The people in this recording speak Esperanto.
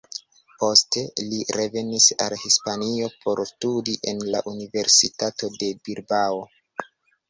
Poste, li revenis al Hispanio por studi en la universitato de Bilbao.